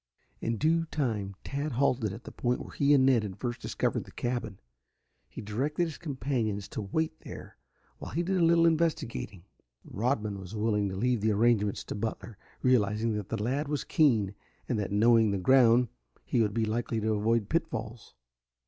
In due time Tad halted at the point where he and Ned had first discovered the cabin. He directed his companions to wait there while he did a little investigating. Rodman was willing to leave the arrangements to Butler, realizing that the lad was keen, and that, knowing the ground, he would be likely to avoid pitfalls.